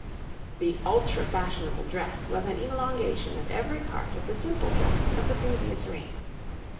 }] The ultra fashionable dress was an elongation of every part of the simple dress of the previous reign.